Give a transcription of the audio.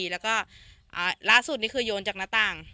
แล้วสิ่งที่สุดคือยวงจากหน้าตาง